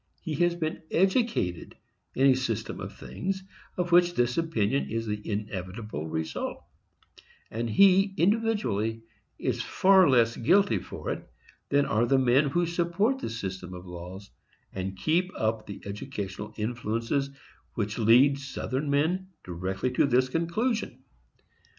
He has been educated in a system of things of which this opinion is the inevitable result; and he, individually, is far less guilty for it, than are those men who support the system of laws, and keep up the educational influences, which lead young Southern men directly to this conclusion.